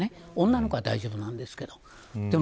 女の子は大丈夫なんですけど。